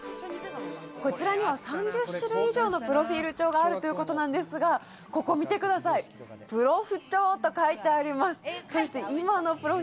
こちらには３０種類以上のプロフィール帳があるということなんですが、プロフ帳と書いてあります。